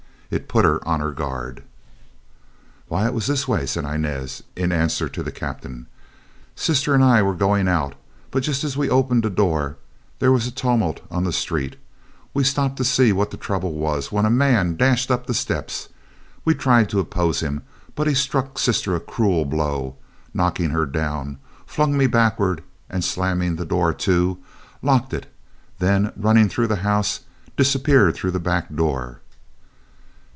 It put her on her guard. "Why, it was this way," said Inez, in answer to the captain, "sister and I were going out, but just as we opened the door, there was a tumult on the street. We stopped to see what the trouble was, when a man dashed up the steps. We tried to oppose him, but he struck sister a cruel blow, knocking her down, flung me backward, and slamming the door to, locked it; then running through the house, disappeared through the back door.